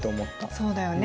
そうだよね。